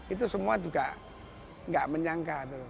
itu semua juga gak menyangka tuh